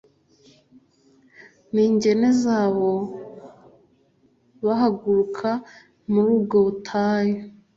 n ingegene zabo bahaguruka muri ubwo butayu